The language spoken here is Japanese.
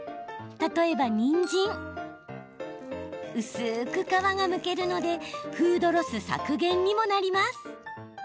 例えば、にんじん。薄く皮がむけるのでフードロス削減にもなります。